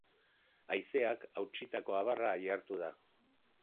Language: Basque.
Haizeak hautsitako abarra ihartu da.